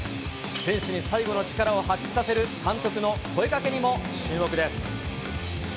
選手に最後の力を発揮させる、監督の声掛けにも注目です。